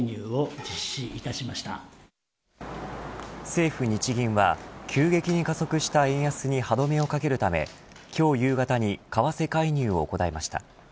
政府日銀は急激に加速した円安に歯止めをかけるため今日夕方に為替介入を行いました。